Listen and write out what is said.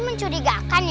buat ruang gue sih